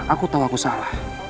aku tahu aku salah